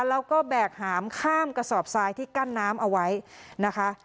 แล้วก็แบกหามข้ามกระสอบทรายที่กั้นน้ำเอาไว้นะคะ